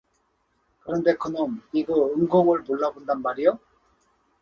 그런데 그 놈 이그 은공을 몰라본단 말이어.